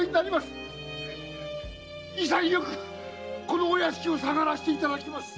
〔潔くこのお屋敷をさがらせていただきます！〕